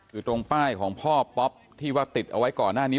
คือตรงป้ายของพ่อป๊อปที่ว่าติดเอาไว้ก่อนหน้านี้